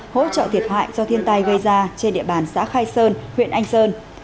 hỗ trợ thiệt hại do thiên tai gây ra trên địa bàn xã khai sơn huyện anh sơn